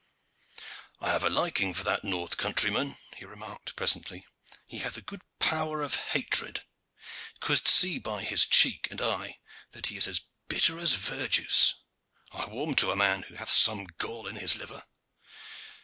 "I have a liking for that north countryman," he remarked presently. "He hath good power of hatred. Couldst see by his cheek and eye that he is as bitter as verjuice. I warm to a man who hath some gall in his liver."